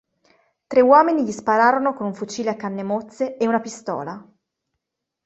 Tre uomini gli spararono con un fucile a canne mozze e una pistola.